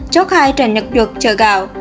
chốt hai trên nhật duật chợ gạo